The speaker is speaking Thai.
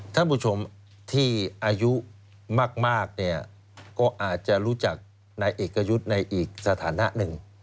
ท่านผู้ชมที่อายุมากเนี่ยก็อาจจะรู้จักนายเอกยุทธ์ในอีกสถานะหนึ่ง